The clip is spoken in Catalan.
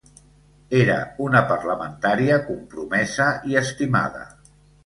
Era una parlamentària compromesa i estimada.